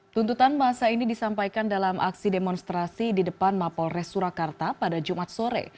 tuntutan masa ini disampaikan dalam aksi demonstrasi di depan mapol res surakarta pada jumat sore